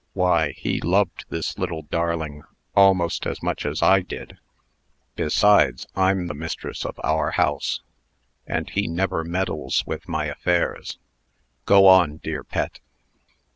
Why, he loved this little darling almost as much as I did. Besides, I'm the mistress of our house; and he never meddles with my affairs. Go on, dear Pet."